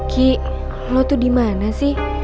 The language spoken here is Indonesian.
ki lo tuh dimana sih